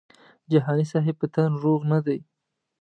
جهاني صاحب په تن روغ نه دی.